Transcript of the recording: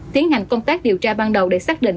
tiến hành công tác điều tra ban đầu để xác định